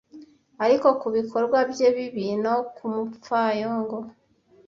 ariko kubikorwa bye bibi no kumupfayongo